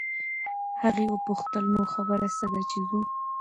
هغې وپوښتل نو خبره څه ده چې ځو.